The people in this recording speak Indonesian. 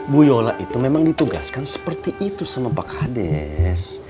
bu yola itu memang ditugaskan seperti itu sama pak hades